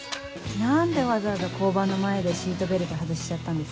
何でわざわざ交番の前でシートベルト外しちゃったんですか？